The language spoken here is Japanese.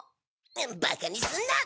バカにすんなっ！